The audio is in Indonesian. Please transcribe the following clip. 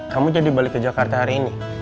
kamu jadi balik ke jakarta hari ini